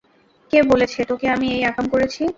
কে বলেছে তোকে আমি এই আকাম করেছি?